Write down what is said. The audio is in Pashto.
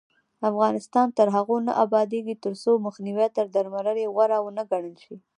افغانستان تر هغو نه ابادیږي، ترڅو مخنیوی تر درملنې غوره ونه ګڼل شي.